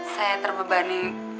saya terbebani dengan